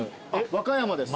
・和歌山です。